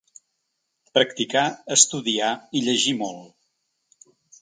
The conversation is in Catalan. Practicar, estudiar i llegir molt.